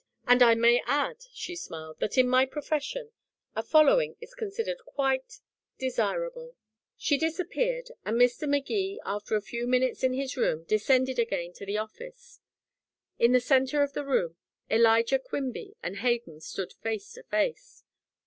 "And I may add," she smiled, "that in my profession a following is considered quite desirable." She disappeared, and Mr. Magee, after a few minutes in his room, descended again to the office. In the center of the room, Elijah Quimby and Hayden stood face to face.